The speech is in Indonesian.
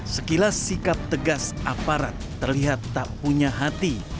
sekilas sikap tegas aparat terlihat tak punya hati